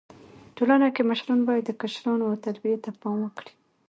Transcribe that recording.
ټولنه کي مشران بايد د کشرانو و تربيي ته پام وکړي.